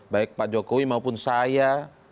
baik pak jokowi maupun saya